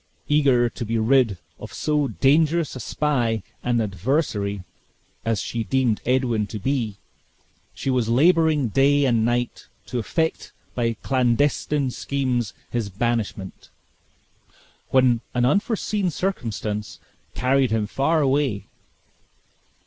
Eager to be rid of so dangerous a spy and adversary as she deemed Edwin to be, she was laboring day and night to effect by clandestine schemes his banishment, when an unforeseen circumstance carried him far away.